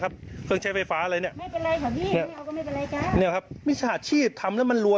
ลุงไม่เอาลุงไปแล้วลุงพอแล้ว